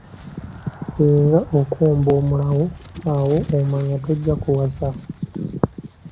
Singa okomba omulawo awo omanya tojja kuwasa.